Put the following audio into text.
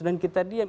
dan kita diam